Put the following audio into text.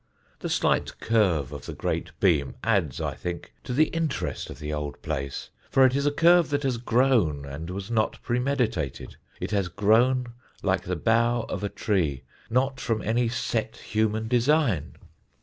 The slight curve of the great beam adds, I think, to the interest of the old place, for it is a curve that has grown and was not premeditated; it has grown like the bough of a tree, not from any set human design.